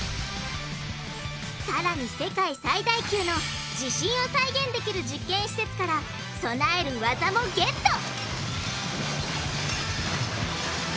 さらに世界最大級の地震を再現できる実験施設から備えるワザもゲット！